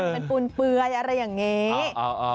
เป็นปูนเปลือยอะไรอย่างนี้